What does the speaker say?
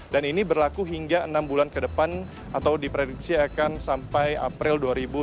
dan ini berlaku hingga enam bulan ke depan atau diprediksi akan sampai april dua ribu dua puluh empat